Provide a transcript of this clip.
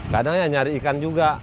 kadang ya nyari ikan juga